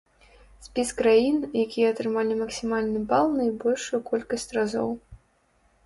Спіс краін, якія атрымалі максімальны бал найбольшую колькасць разоў.